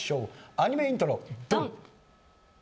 アニメイントロドン！